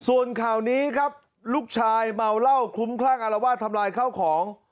ส่วนข่าวนี้ครับลูกชายเมาเหล้าคลุ้มคลั่งอารวาสทำลายข้าวของ